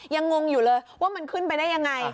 งงอยู่เลยว่ามันขึ้นไปได้ยังไง